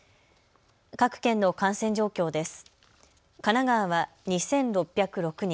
各県の感染状況です。